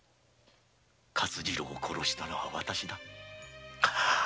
勝次郎を殺したのはおれだ。